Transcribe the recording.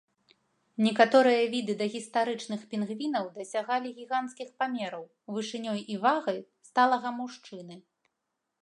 Некаторыя віды дагістарычных пінгвінаў дасягалі гіганцкіх памераў, вышынёй і вагай сталага мужчыны.